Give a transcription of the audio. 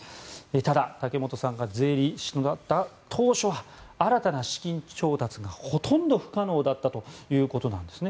ただ、竹本さんが税理士になった当初は新たな資金調達がほとんど不可能だったということです。